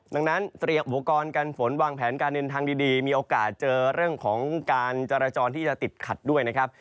ดังนั้นเตรียมอุปกรณ์การฝนวางแผนการเดินทางดีมีโอกาสเจอเรื่องของการจราจรที่จะติดขัดด้วยนะครับ